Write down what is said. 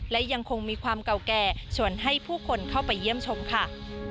และยังคงมีความเก่าแก่ชวนให้ผู้คนเข้าไปเยี่ยมชมค่ะ